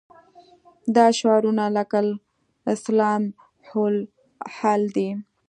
دا شعارونه لکه الاسلام هو الحل دي.